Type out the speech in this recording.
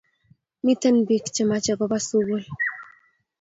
miten pik che mache koba sukul